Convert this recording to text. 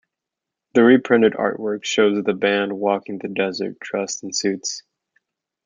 The re-printed artwork shows the band walking the desert dressed in suits.